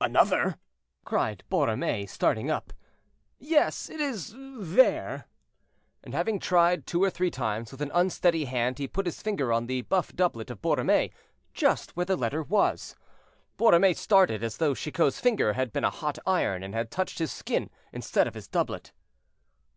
"Another!" cried Borromée, starting up. "Yes, it is there." And having tried two or three times, with an unsteady hand, he put his finger on the buff doublet of Borromée, just where the letter was. Borromée started, as though Chicot's finger had been a hot iron, and had touched his skin instead of his doublet.